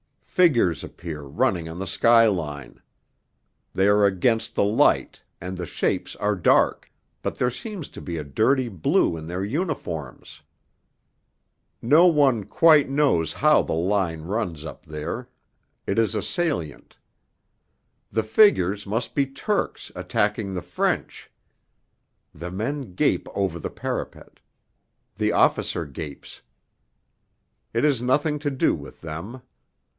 Figures appear running on the skyline. They are against the light, and the shapes are dark, but there seems to be a dirty blue in their uniforms. No one quite knows how the line runs up there; it is a salient. The figures must be Turks attacking the French. The men gape over the parapet. The officer gapes. It is nothing to do with them.